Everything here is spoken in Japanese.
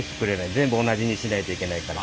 全部同じにしないといけないから。